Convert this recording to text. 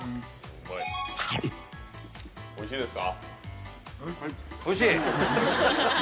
おいしいです！